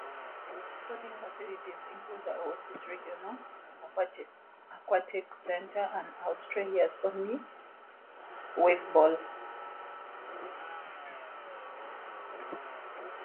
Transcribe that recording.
Sporting facilities include the Oasis Regional Aquatic Centre, with Australia's only wave ball.